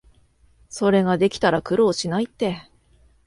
それができたら苦労しないって